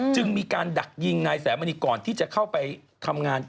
จึงมีการดักยิงนายสามณีก่อนที่จะเข้าไปทำงาน